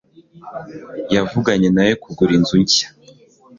yavuganye nawe kugura inzu nshya